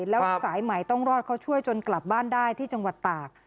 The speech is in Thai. แล้วสายใหม่ต้องรอดเขาช่วยจนกลับบ้านได้ที่จังหวัดตาก